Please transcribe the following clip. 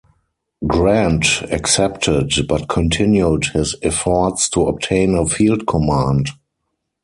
Grant accepted, but continued his efforts to obtain a field command.